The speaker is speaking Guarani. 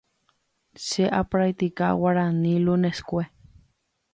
Che apractica Guarani luneskue.